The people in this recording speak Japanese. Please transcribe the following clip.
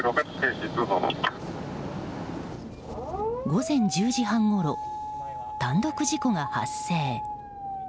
午前１０時半ごろ単独事故が発生。